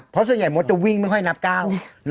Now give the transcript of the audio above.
เพราะส่วนใหญ่มดจะวิ่งไม่ค่อยนับก้าว